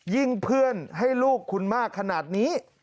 เพื่อนให้ลูกคุณมากขนาดนี้